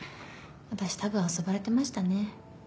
私多分遊ばれてましたね。